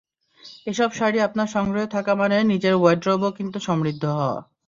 এসব শাড়ি আপনার সংগ্রহে থাকা মানে নিজের ওয়্যারড্রোবও কিন্তু সমৃদ্ধ হওয়া।